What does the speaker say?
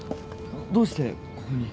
どうしてここに？